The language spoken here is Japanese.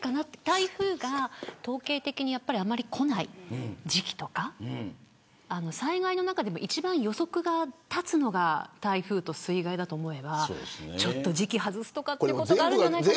台風が統計的にあんまり来ない時期とか災害の中でも一番予測が立つのが台風と水害だと思えば時期を外すということがあるんじゃないか。